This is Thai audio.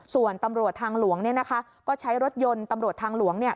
ส่วนตำรวจทางหลวงเนี่ยนะคะก็ใช้รถยนต์ตำรวจทางหลวงเนี่ย